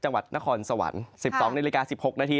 จังหวัดนครสวรรค์๑๒นาฬิกา๑๖นาที